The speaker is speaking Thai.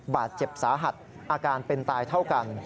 บาดเจ็บสาหัสอาการเป็นตายเท่ากัน